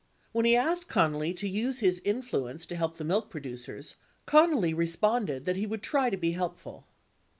When he asked Connally to use his influence to help the milk producers, Connally responded that he would try to be helpful.